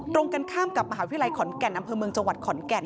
ตรงกันข้ามกับมหาวิทยาลัยขอนแก่นอำเภอเมืองจังหวัดขอนแก่น